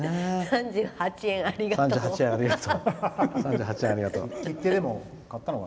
３８円ありがとう。